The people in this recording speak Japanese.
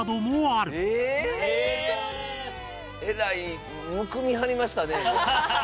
えらいむくみはりましたね。